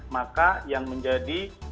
maka yang menjadi